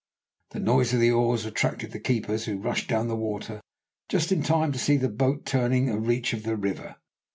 The noise of the oars attracted the keepers, who rushed down to the water just in time to see the boat turning a reach of the river.